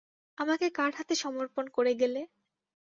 আমাকে কার হাতে সমর্পণ করে গেলে?